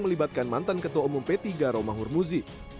oleh ketua umum p tiga romahur muzi